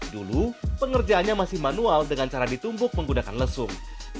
dulu pengerjaannya masih manual dengan cara ditumbuk menggunakan lesung